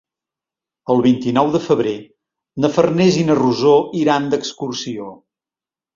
El vint-i-nou de febrer na Farners i na Rosó iran d'excursió.